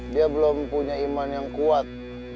dia belum punya iman yang kuat